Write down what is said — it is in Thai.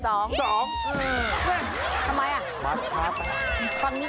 ก็บอกไปแล้วมันไปแล้ว